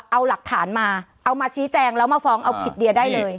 เอาหลักฐานมาเอามาชี้แจงแล้วมาฟ้องเอาผิดเดียได้เลย